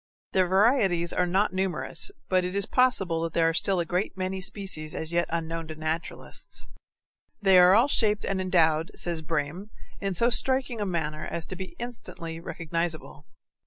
Their varieties are not numerous, but it is possible that there are still a great many species as yet unknown to naturalists. They are all shaped and endowed, says Brehm, in so striking a manner as to be instantly recognizable.